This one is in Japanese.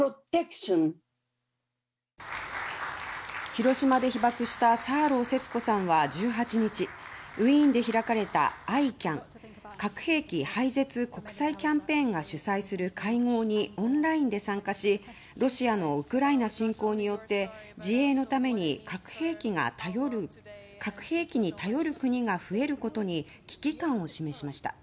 広島で被爆したサーロー節子さんは１８日、ウィーンで開かれたＩＣＡＮ・核兵器廃絶国際キャンペーンが主催する会合にオンラインで参加しロシアのウクライナ侵攻によって自衛のために核兵器に頼る国が増えることに危機感を示しました。